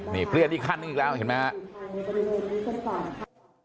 นี่เปลี่ยนอีกคันนึงอีกแล้วเห็นไหมครับ